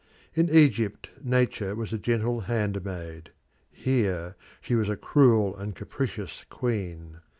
In Egypt Nature was a gentle handmaid; here she was a cruel and capricious queen.